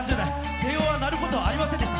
電話は鳴ることはありませんでした。